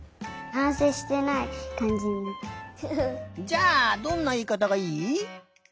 じゃあどんないいかたがいい？